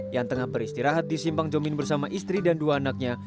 yang tengah beristirahat di simpang jomin bersama istri dan dua anaknya